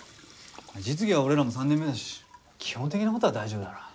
実技は俺らも３年目だし基本的な事は大丈夫だろ。